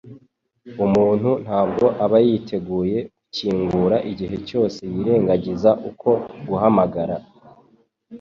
Umuntu ntabwo aba yiteguye gukingura igihe cyose yirengagiza uko guhamagara,